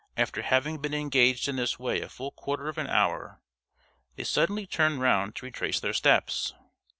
After having been engaged in this way a full quarter of an hour, they suddenly turned round to retrace their steps.